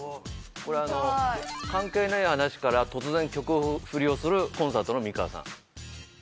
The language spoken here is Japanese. これあの関係ない話から突然曲フリをするコンサートの美川さん